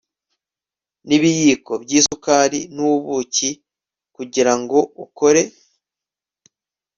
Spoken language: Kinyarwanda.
n'ibiyiko by'isukari n'ubuki kugirango ukore